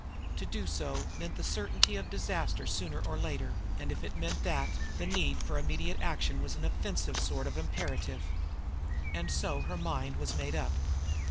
To do so meant the certainty of disaster sooner or later, and if it meant that, the need for immediate action of an offensive sort was imperative. And so her mind was made up.